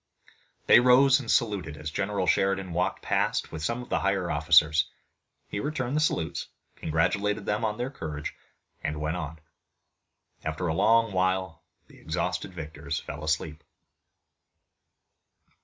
They rose and saluted as General Sheridan walked past with some of the higher officers. He returned the salutes, congratulated them on their courage and went on. After a long while the exhausted victors fell asleep.